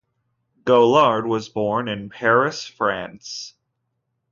Gaulard was born in Paris, France.